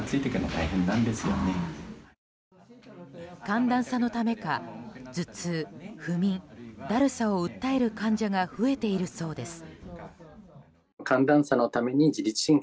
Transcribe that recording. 寒暖差のためか頭痛、不眠、だるさを訴える患者が増えているそうです。